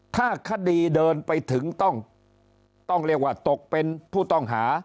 ถ้าคดีเดินไปถึงต้องเรียกว่าตกเป็นผู้ต้องหา